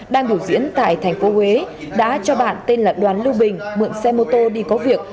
đang biểu diễn tại tp huế đã cho bạn tên là đoàn lưu bình mượn xe mô tô đi có việc